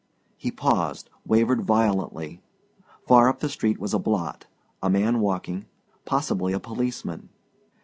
He paused, wavered violently far up the street was a blot, a man walking, possibly a policeman.